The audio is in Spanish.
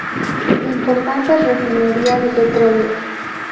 Importante refinería de petróleo.